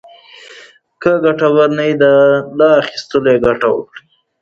که ګټور نه وي، له اخيستلو ډډه وکړئ.